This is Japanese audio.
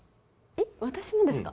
えっ私もですか？